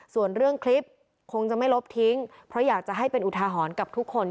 ส่วนเรื่องคลิปคงจะไม่ลบทิ้งเพราะอยากจะให้เป็นอุทาหรณ์กับทุกคน